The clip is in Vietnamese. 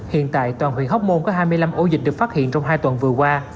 hiện tại toàn huyện hóc môn có hai mươi năm ổ dịch được phát hiện trong hai tuần vừa qua